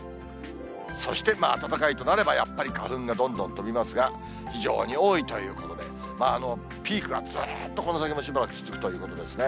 そして暖かいとなれば、やっぱり花粉がどんどん飛びますが、非常に多いということで、ピークはずっとこの先もしばらく続くということですね。